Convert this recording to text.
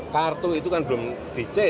kartu itu kan belum dicek